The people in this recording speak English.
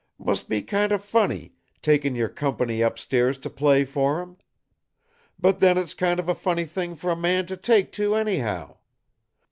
Must be kind of funny, takin' your company upstairs to play for 'em. But then it's kind of a funny thing for a man to take to, anyhow!